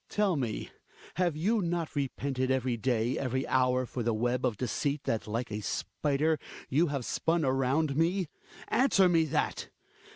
Tell me, have you not repented every day, every hour, for the web of deceit that, like a spider, you have spun around me? Answer me that